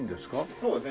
そうですね。